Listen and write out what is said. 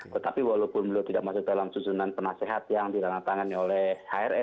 tetapi walaupun beliau tidak masuk dalam susunan penasehat yang ditandatangani oleh hrs